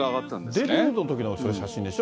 デビューのときの写真でしょ。